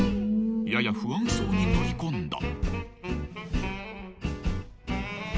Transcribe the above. ［やや不安そうに乗り込んだ］